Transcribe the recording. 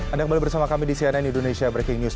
anda kembali bersama kami di cnn indonesia breaking news